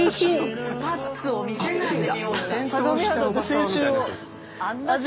スパッツを見せないで美穂さん。